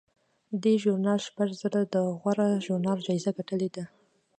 دې ژورنال شپږ ځله د غوره ژورنال جایزه ګټلې ده.